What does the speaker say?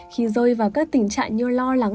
khi rơi vào các tình trạng như lo lắng